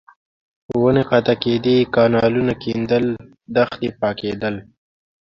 ونې قطع کېدې، کانالونه کېندل، دښتې پاکېدل.